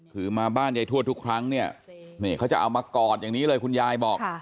คือมาบ้านยายทวดทุกครั้งเนี่ยนี่เขาจะเอามากอดอย่างนี้เลยคุณยายบอก